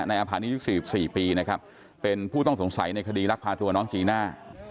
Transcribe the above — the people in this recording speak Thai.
นายอาผะนี้ยุคสี่สี่ปีนะครับเป็นผู้ต้องสงสัยในคดีรักษาตัวน้องจีน่า